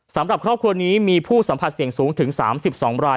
สำหรับครอบครัวนี้มีผู้สัมผัสเสี่ยงสูงถึง๓๒ราย